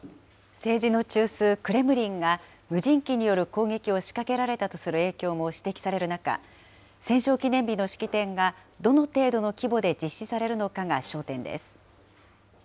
政治の中枢クレムリンが、無人機による攻撃を仕掛けられたとする影響も指摘される中、戦勝記念日の式典がどの程度の規模で実施されるのかが焦点です。